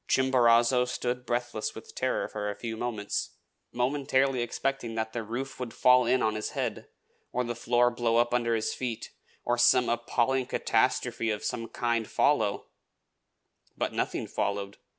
Chimborazo stood breathless with terror for a few minutes, momentarily expecting that the roof would fall in on his head, or the floor blow up under his feet, or some appalling catastrophe of some kind follow; but nothing followed.